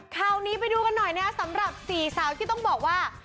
คราวนี้ไปดูกันหน่อยนะครับสำหรับ๔สาวที่ต้องบอกว่า